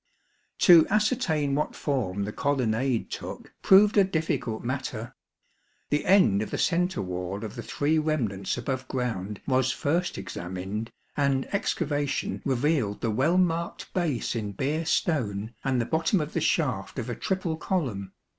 To ascertain what form the colonnade took proved a difficult matter. The end of the centre wall of the three remnants above ground was first examined, and excavation revealed the well marked base in Beer stone and the bottom of the shaft of a triple column.